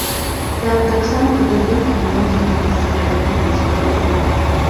Там таксама фотаздымкі можна зрабіць без праблем.